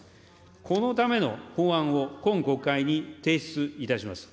このための法案を、今国会に提出いたします。